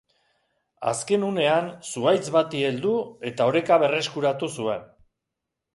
Azken unean zuhaitz bati heldu eta oreka berreskuratu zuen.